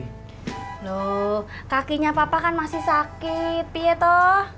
loh kakinya papa kan masih sakit ya toh